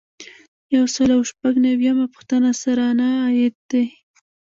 یو سل او شپږ نوي یمه پوښتنه سرانه عاید دی.